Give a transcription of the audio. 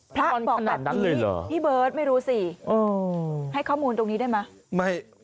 พระบอกเงินที่พี่เบิร์ตไม่รู้สิให้ข้อมูลตรงนี้ได้มั้ย